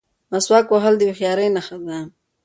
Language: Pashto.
مسواک وهل د هوښیارۍ نښه ده.